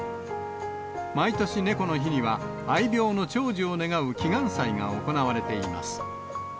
毎年猫の日には、愛猫の長寿を願う祈願祭が行われています。